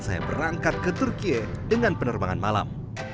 saya berangkat ke turkiye dengan penerbangan malam